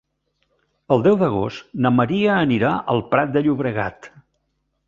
El deu d'agost na Maria anirà al Prat de Llobregat.